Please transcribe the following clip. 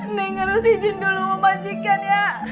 neng harus izin dulu memanjikan ya